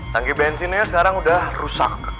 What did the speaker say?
tangki bensinnya sekarang sudah rusak